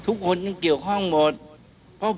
ก็ผู้ช่วยล้ำตรีก็ไป